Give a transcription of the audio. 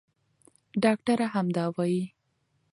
ډاکټره همدا وايي.